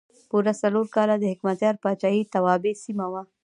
پوره څلور کاله د حکمتیار پاچاهۍ توابع سیمه وه.